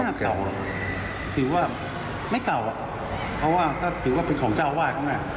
ไม่น่าเก่าหรอกคือว่าไม่เก่าเพราะว่าถ้าถือว่าผู้ชมเจ้าไหว้ตรงนั้น